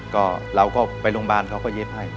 ก็เราก็ไปโรงพยาบาลเขาก็เย็บให้